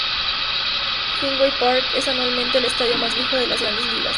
Fenway Park es actualmente el estadio más viejo de las Grandes Ligas.